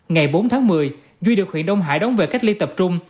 ngày bốn tháng một mươi duy được huyện đông hải đóng về cách ly tập trung